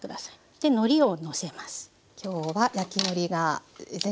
でのりをのせます。